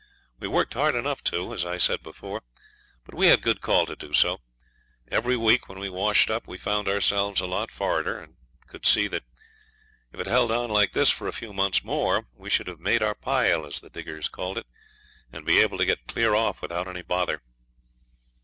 We worked hard enough, too, as I said before; but we had good call to do so. Every week when we washed up we found ourselves a lot forrarder, and could see that if it held on like this for a few months more we should have made our 'pile', as the diggers called it, and be able to get clear off without much bother.